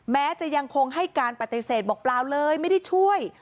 แม้จะยังคงให้การปฏิเสธบอกเปล่าเลยไม่ได้ช่วย